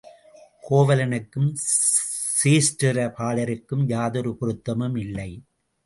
கோவலனுக்கும், க்ஷேத்திர பாலருக்கும் யாதொரு பொருத்தமும் இல்லை.